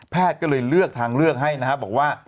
ก็เลยเลือกทางเลือกให้นะครับบอกว่า